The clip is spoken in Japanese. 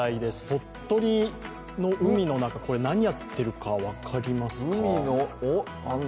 鳥取の海の中、これ、何をやっているか分かりますか？